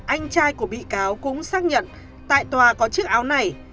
anh trai của bị cáo cũng xác nhận tại tòa có chiếc áo này